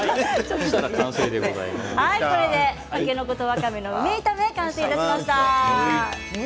たけのことわかめの梅炒め完成しました。